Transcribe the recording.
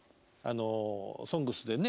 「ＳＯＮＧＳ」でね